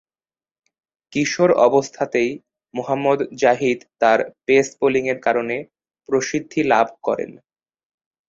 কিশোর অবস্থাতেই মোহাম্মদ জাহিদ তার পেস বোলিংয়ের কারণে প্রসিদ্ধি লাভ করেন।